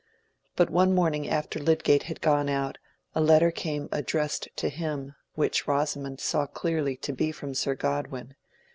But one morning after Lydgate had gone out, a letter came addressed to him, which Rosamond saw clearly to be from Sir Godwin.